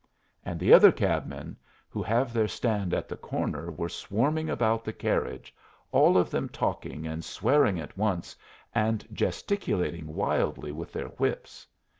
And the other cabmen who have their stand at the corner were swarming about the carriage, all of them talking and swearing at once, and gesticulating wildly with their whips.